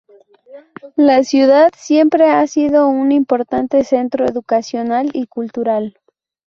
La ciudad siempre ha sido un importante centro educacional y cultural.